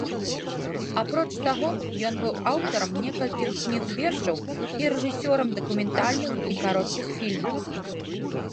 Апроч таго, ён быў аўтарам некалькіх кніг вершаў і рэжысёрам дакументальных і кароткіх фільмаў.